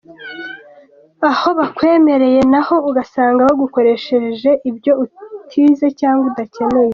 Aho bakwemereye naho, ugasanga bagukoresheje ibyo utize cyangwa udakeneye”.